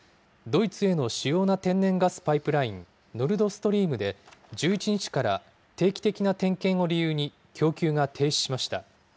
ドイツへの主要な天然ガスパイプライン、ノルドストリームで、１１日から定期的な点検を理由に供給が停止しました。